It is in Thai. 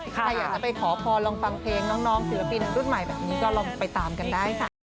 ใครอยากจะไปขอพรลองฟังเพลงน้องศิลปินรุ่นใหม่แบบนี้ก็ลองไปตามกันได้ค่ะ